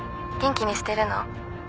元気にしてるの？